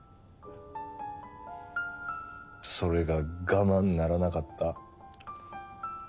それが我慢ならなかった。